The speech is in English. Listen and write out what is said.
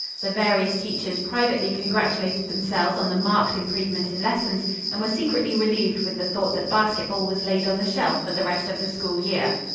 The various teachers privately congratulated themselves on the marked improvement in lessons, and were secretly relieved with the thought that basketball was laid on the shelf for the rest of the school year.